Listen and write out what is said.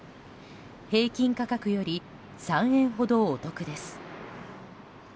平均価格より３円ほどお得です。